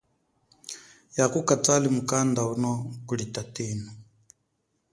Yako ukatwale mukanda uno kuli tatenu.